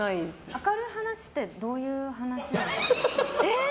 明るい話ってどういう話ですか？